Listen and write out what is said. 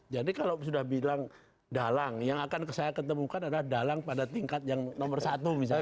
jadi kalau sudah bilang dalang yang akan saya ketemukan adalah dalang pada tingkat yang nomor satu